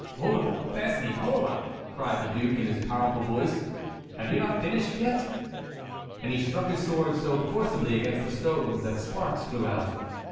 "Holà, Besme, holà!" cried the duke, in his powerful voice, "have you not finished yet?" And he struck his sword so forcibly against the stones that sparks flew out.